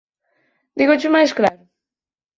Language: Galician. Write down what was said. Dígocho máis claro?